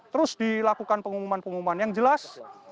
terus dilakukan pengumuman pengumuman yang jelas